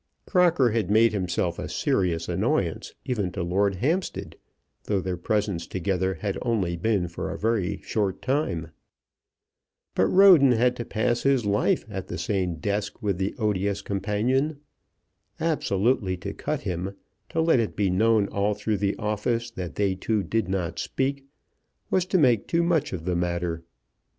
Crocker had made himself a serious annoyance even to Lord Hampstead, though their presence together had only been for a very short time. But Roden had to pass his life at the same desk with the odious companion. Absolutely to cut him, to let it be known all through the office that they two did not speak, was to make too much of the matter.